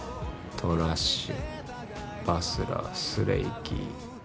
トラッシュバスラースレイキー